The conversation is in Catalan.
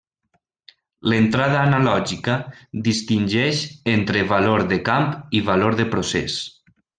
L'entrada analògica distingeix entre valor de camp i valor de procés.